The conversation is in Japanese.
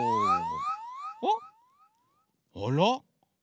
あら？